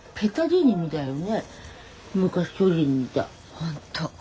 本当。